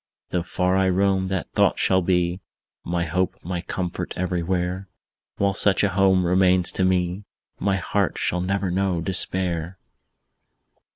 Though far I roam, that thought shall be My hope, my comfort, everywhere; While such a home remains to me, My heart shall never know despair!